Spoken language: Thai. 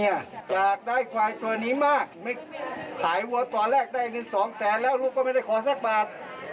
อยากได้ควายตัวนี้มากไม่ขายวัวตอนแรกได้เงินสองแสนแล้วลูกก็ไม่ได้ขอสักบาท